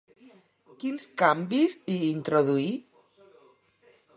Quins canvis hi introduí?